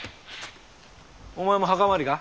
お前も墓参りか？